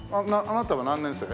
あなたは何年生？